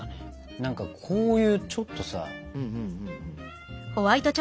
何かこういうちょっとさ。